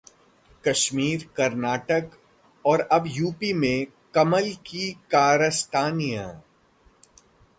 कश्मीर, कर्नाटक और अब यूपी में 'कमल की कारस्तानियां'!